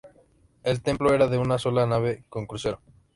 El templo era de una sola nave con crucero.